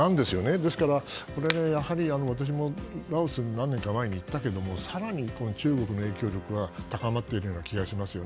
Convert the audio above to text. ですから、私もラオスに何年か前に行ったけども更に中国の影響力が高まっている気がしますね。